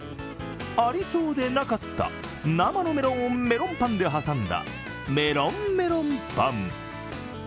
ありそうでなかった生のメロンをメロンパンで挟んだめろん×メロンパン。